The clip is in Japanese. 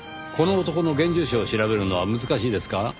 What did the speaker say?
この男の現住所を調べるのは難しいですか？